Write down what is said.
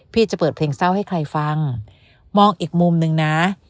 จะเปิดเพลงเศร้าให้ใครฟังมองอีกมุมหนึ่งนะ